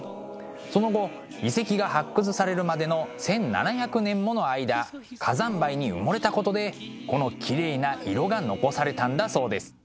その後遺跡が発掘されるまでの１，７００年もの間火山灰に埋もれたことでこのきれいな色が残されたんだそうです。